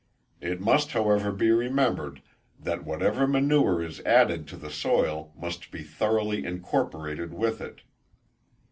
It must however be remembered, that whatever manure is added to the soil must be thoroughly incorporated with it.